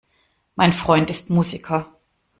Mein Freund ist Musiker.